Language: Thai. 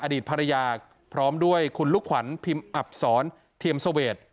อดีตภรรยาพร้อมด้วยคุณลูกขวัญพิมพ์อับศรเทียมเสวด